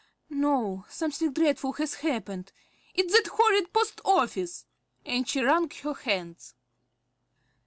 No, something dreadful has happened, it's that horrid post office!" and she wrung her hands.